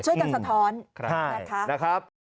ช่วยกับสะท้อน